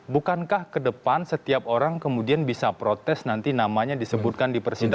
bukankah ke depan setiap orang kemudian bisa protes nanti namanya disebutkan di persidangan